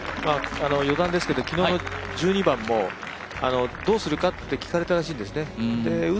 余談ですけど、昨日の１２番もどうするかって聞かれたらしいんですね。